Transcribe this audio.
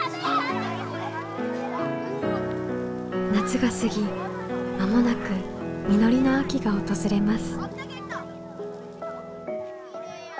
夏が過ぎ間もなく実りの秋が訪れます。